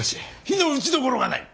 非の打ちどころがない。